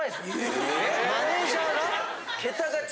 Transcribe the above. ・マネジャーが？